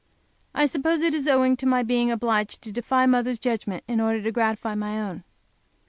I suppose it is owing to my being obliged to defy mother's judgment in order to gratify my own.